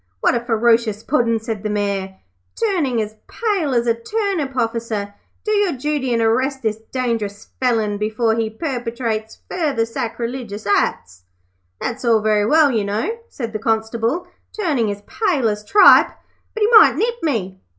'What a ferocious Puddin',' said the Mayor, turning as pale as a turnip. 'Officer, do your duty and arrest this dangerous felon before he perpetrates further sacrilegious acts.' 'That's all very well, you know,' said the Constable, turning as pale as tripe; 'but he might nip me.'